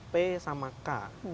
p sama k